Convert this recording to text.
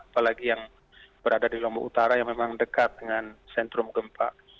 apalagi yang berada di lombok utara yang memang dekat dengan sentrum gempa